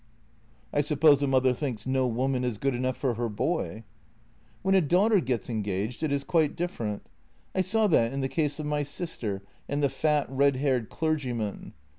" I suppose a mother thinks no woman is good enough for her boy." " When a daughter gets engaged it is quite different. I saw that in the case of my sister and the fat, red haired cleargyman.